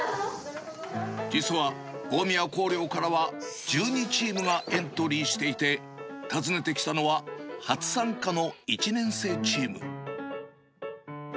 実は、大宮光陵からは１２チームがエントリーしていて、訪ねてきたのは、初参加の１年生チーム。